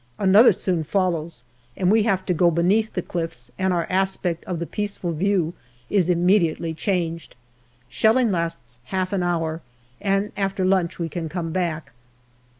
Another soon follows, and we have to go beneath the cliffs, and our aspect of the peaceful view is immediately changed. Shelling lasts half an hour, and after lunch we can come back.